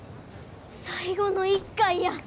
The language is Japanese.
最後の一回や。